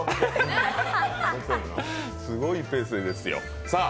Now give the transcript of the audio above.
すごいペースいいですよ。